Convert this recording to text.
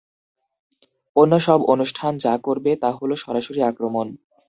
অন্য সব অনুষ্ঠান যা করবে তা হল সরাসরি আক্রমণ।